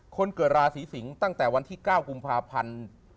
คนเกิดราศีสิงศ์ตั้งแต่วันที่๙กุมภาพันธ์